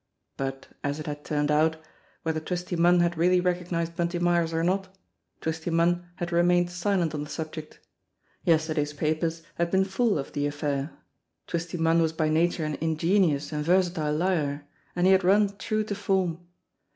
But, as it had turned out, whether Twisty Munn had really recognised Bunty Myers or not, Twisty Munn had remained silent on the subject. Yesterday's papers had been full of the affair. Twisty Munn was by nature an ingenious and versatile liar, and he had run true to form.